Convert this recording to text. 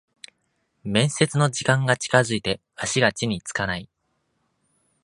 面接の時間が近づいて足が地につかない